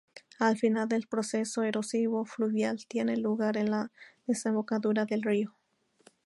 El final del proceso erosivo fluvial tiene lugar en la desembocadura del río.